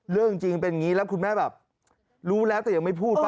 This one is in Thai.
เรื่องจริงเป็นอย่างนี้แล้วคุณแม่แบบรู้แล้วแต่ยังไม่พูด